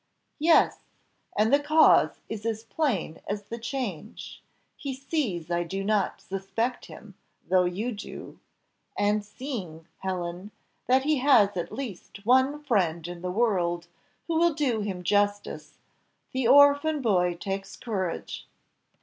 "Yes, and the cause is as plain as the change. He sees I do not suspect him, though you do; and seeing, Helen, that he has at least one friend in the world, who will do him justice, the orphan boy takes courage."